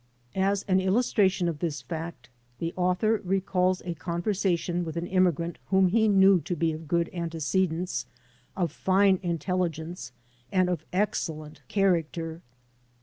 As an illustration of this fact the author recalls a conversation with an immigrant whom he knew to be of good antecedents, of fine intelligence and of excellent character.